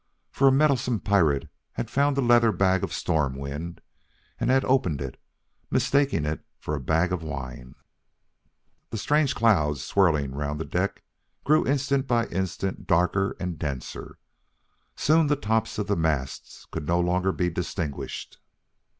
For a meddlesome pirate had found the leather bag of storm wind and had opened it, mistaking it for a bag of wine. The strange clouds, swirling round the deck, grew instant by instant darker and denser. Soon the tops of the masts could no longer be distinguished.